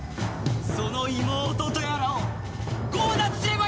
その妹とやらを強奪すればいいのだ！